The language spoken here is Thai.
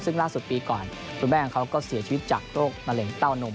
ซึ่งล่าสุดปีก่อนคุณแม่ของเขาก็เสียชีวิตจากโรคมะเร็งเต้านม